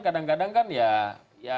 kadang kadang kan ya